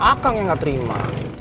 akan yang gak terima